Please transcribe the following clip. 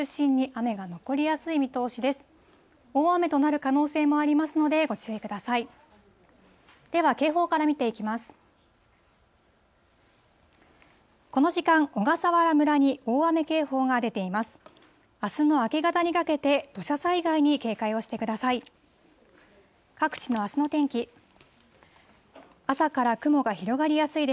あすの明け方にかけて、土砂災害に警戒をしてください。